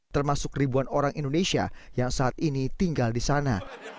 termasuk ribuan orang indonesia yang saat ini tinggal di sana